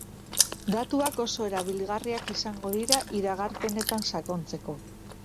Datuak oso erabilgarriak izango dira iragarpenetan sakontzeko.